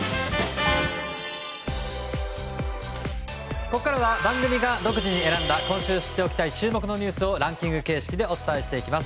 ここからは番組が独自に選んだ今週知っておきたい注目のニュースをランキング形式でお伝えしていきます。